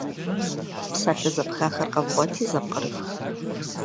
Псалъэ зэпхахэр къэвгъуэти зэпкърыфх.